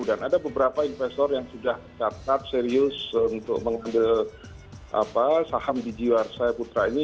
dan ada beberapa investor yang sudah catat serius untuk mengambil saham di jiwasraya putra ini